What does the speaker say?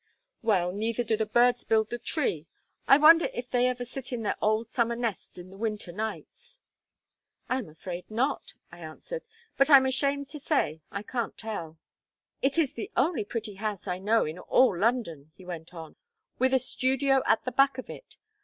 "Well, neither do the birds build the tree. I wonder if they ever sit in their old summer nests in the winter nights." "I am afraid not," I answered; "but I'm ashamed to say I can't tell." "It is the only pretty house I know in all London," he went on, "with a studio at the back of it.